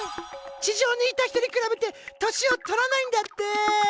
地上にいた人に比べて年を取らないんだって。